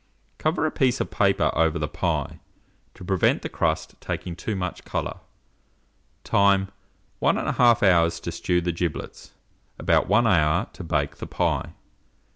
Cover a piece of paper over the pie, to prevent the crust taking too much colour. Time. 1 1/2 hour to stew the giblets, about 1 hour to bake the pie.